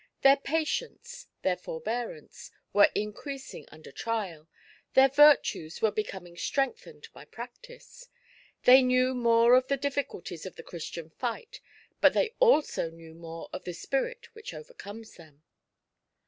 Their patience, their forbearance, were increas ing under trial; their virtues were becoming strengthened by practice; they knew more of the difficulties of the Christian fight, but they also knew more of the spirit which overcomes them.